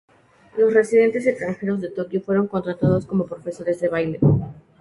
Los residentes extranjeros de Tokio fueron contratados como profesores de baile.